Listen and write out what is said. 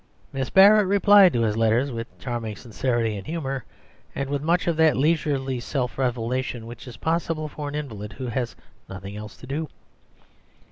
Miss Barrett replied to his letters with charming sincerity and humour, and with much of that leisurely self revelation which is possible for an invalid who has nothing else to do.